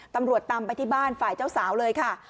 ตำรวจตามไปที่บ้านฝ่ายเจ้าสาวเลยค่ะ